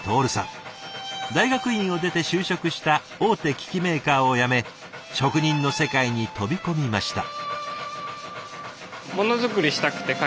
大学院を出て就職した大手機器メーカーを辞め職人の世界に飛び込みました。